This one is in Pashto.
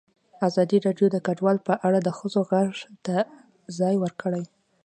ازادي راډیو د کډوال په اړه د ښځو غږ ته ځای ورکړی.